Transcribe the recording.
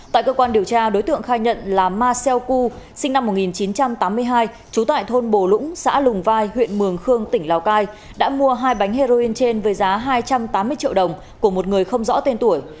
tại cơ quan điều tra đối tượng khai nhận là ma xeo cu sinh năm một nghìn chín trăm tám mươi hai trú tại thôn bồ lũng xã lùng vai huyện mường khương tỉnh lào cai đã mua hai bánh heroin trên với giá hai trăm tám mươi triệu đồng của một người không rõ tên tuổi